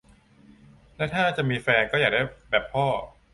และถ้าจะมีแฟน ก็อยากได้แบบพ่อ